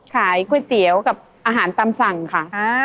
ขายก๋วยเตี๋ยวกับอาหารตามสั่งค่ะ